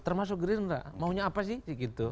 termasuk gerinda maunya apa sih